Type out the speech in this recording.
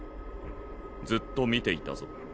ずっと見ていたぞ。